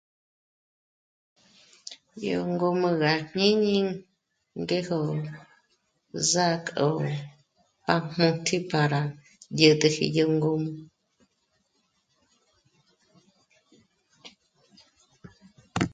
Yó ngǔmü gàjñíñi ngéjo zǎ'k'ö pájmǖtji para y'ä̀t'äji yó ngǔmü